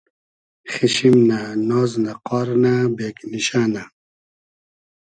خیشیم نۂ ، ناز نۂ، قار نۂ ، بېگنیشۂ نۂ